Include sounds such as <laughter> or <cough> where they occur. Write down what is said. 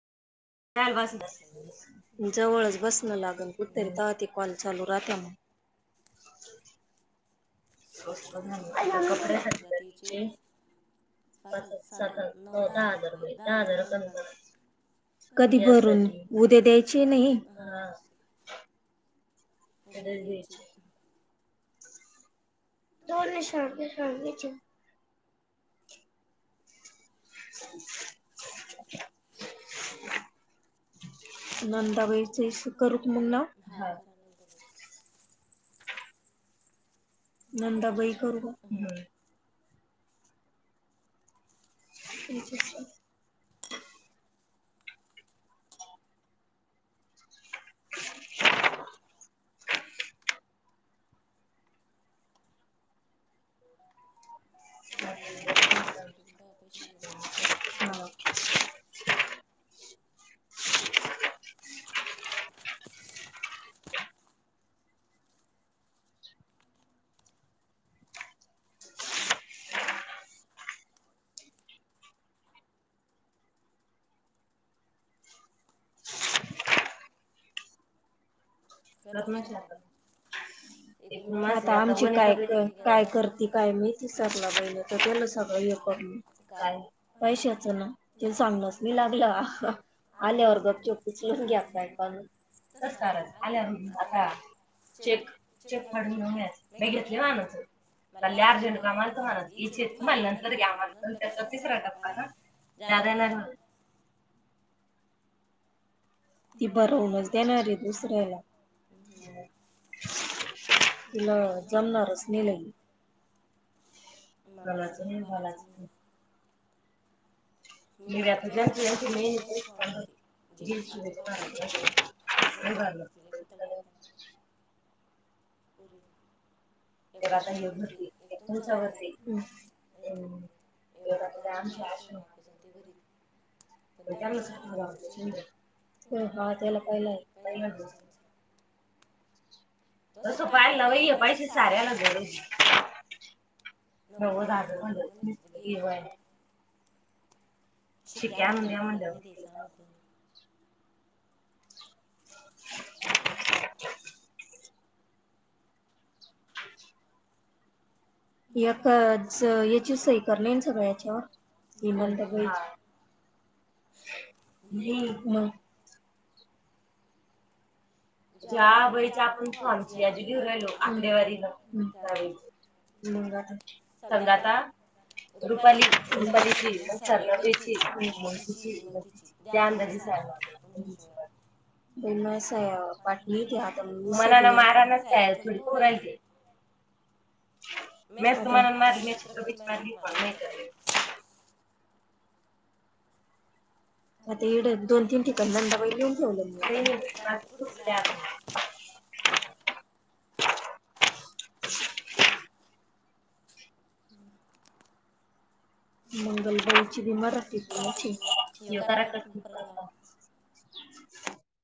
जवळच बसणं लागल कुतर तह ते कॉल चालू राहत्या म ह तका पेसंद करलीिजे पाचज सात ह न दहा हजार हो दहा हजार कमी कराय कधी भरून उद्या द्यायचे नाही आद जची दोन सागेची <inaudible> नंदा वईरच करू मणला हा करा नंद नंदा बई करू <inaudible> <inaudible> <inaudible> आपडक कही का श <inaudible> करमच आता आपण आता आमची काय काय करती काय मिहती सरला बहिणी तर त्याला सगळं यक काय पैशाच ना ते सांगलच मी लागलं आल्यावर बघ त उचलून घ्या पण तसच आल्यावर आता चेक काडून घेऊन घ मी घेतले माणस म अर्जंट कामा आल तर मानास इ तुम्हाला नंतर घ्या त्याचा तिसरा टप्पा ना जदा येणार मला <inaudible> ती भरवूनच देणारी दुसऱ्याला तिला जमणारच नेलही बलाचं भलाचं मी आता ज्यांची ज्यांची मेन त्यांची फॉम भरती जी शुभेचा भारत नाही कर ल बार लाग त ल कुतळ <inaudible> बर ते आता य भरती एकदमचवडते ये आता ते आमच्या आश् भावपासून ते घरी त्या जा श हो हा त्याला पहिला पहिलास बसोपाय लवाई पायसेे सार्यालाच लव हो झालं माझं जेवण. शिक्या आणनून द्या म्हणलं. नदीच आणून. <inaudible> <inaudible> एकच यची सही करनीन सगळ्या याच्यावर? हां. ज्या वेळीच आपण तो आमची फॉर्म घेऊ राहिलो. आंबेवारीला त्यावेळची. समजा आता रुपाली रुपालीची, साधना ताईची, अन् मंटूची त्या अंदाजीच सया. पाटलीची हातं मनान माराणचय थोडी पोरायती. म्यास्त मनान मारली नईस खरं <unintelligible> आता इड दोनतीन ठिकाणी दंदावई लिहून ठेवलंय मी. <inaudible> <inaudible> मंगल बईची मराठी होती. <inaudible>